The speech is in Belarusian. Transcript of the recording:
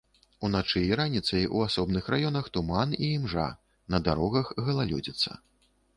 Уначы і раніцай у асобных раёнах туман і імжа, на дарогах галалёдзіца.